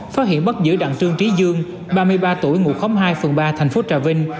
phát hiện bắt giữ đặng trương trí dương ba mươi ba tuổi ngụ khóm hai phường ba thành phố trà vinh